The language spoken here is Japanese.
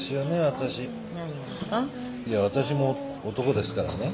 私も男ですからね。